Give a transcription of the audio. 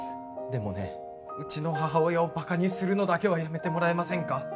でもねうちの母親をばかにするのだけはやめてもらえませんか。